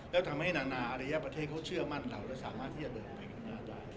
แล้วทำให้นานาอารยประเทศเขาเชื่อมั่นเราและสามารถที่จะเดินไปข้างหน้าได้